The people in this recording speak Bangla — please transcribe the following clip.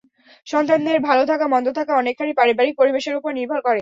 সন্তানদের ভালো থাকা, মন্দ থাকা অনেকখানি পারিবারিক পরিবেশের ওপর নির্ভর করে।